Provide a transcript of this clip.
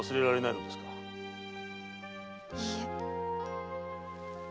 いいえ。